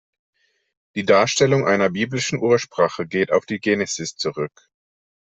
Die Darstellung einer biblischen Ursprache geht auf die Genesis zurück.